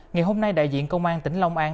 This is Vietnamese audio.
ngày hôm nay đại diện công an tỉnh long an